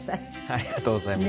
ありがとうございます。